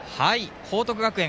報徳学園